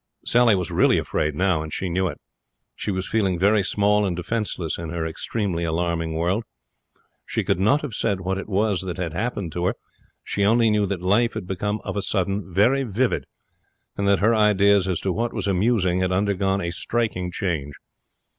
Sally was really afraid now, and she knew it. She was feeling very small and defenceless in an extremely alarming world. She could not have said what it was that had happened to her. She only knew that life had become of a sudden very vivid, and that her ideas as to what was amusing had undergone a striking change.